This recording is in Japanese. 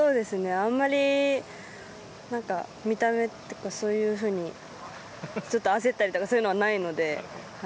あまり見た目とかそういうふうに、ちょっと焦ったりとかはないので。